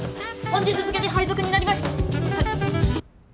本日付で配属になりました。